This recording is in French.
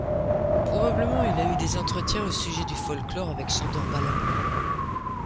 Probablement, il a eu des entretiens au sujet du folklore avec Sándor Bálint.